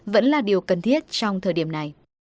vẫn là điều cần thiết trong thời điểm này